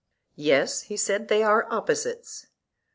Yes, he said, they are opposites.